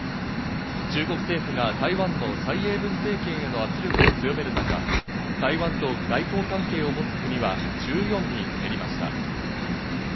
中国政府が台湾のサイ・エイブン政権への圧力を強める中、台湾と外交関係をもつ国は１４に減りました。